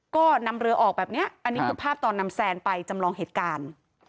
ก็นำเรือออกแบบนี้อันนี้คือภาพตอนนำแซนไปจำลองเหตุการณ์